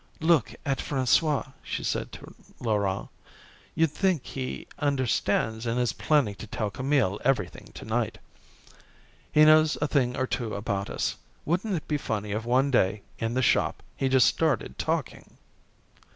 "Look at François," she said to Laurent. "You'd think he understands and is planning to tell Camille everything to night. He knows a thing or two about us. Wouldn't it be funny if one day, in the shop, he just started talking."